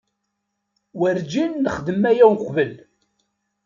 Werǧin nexdem aya uqbel.